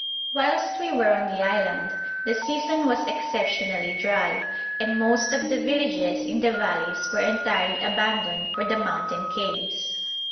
Whilst we were on the island the season was exceptionally dry, and most of the villages in the valleys were entirely abandoned for the mountain caves.